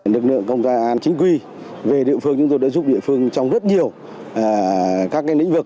lực lượng công an chính quy về địa phương chúng tôi đã giúp địa phương trong rất nhiều các lĩnh vực